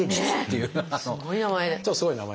すごい名前。